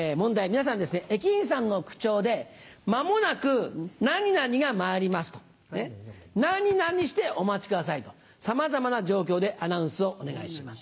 皆さん駅員さんの口調で「まもなく何々が参ります何々してお待ち下さい」とさまざまな状況でアナウンスをお願いします。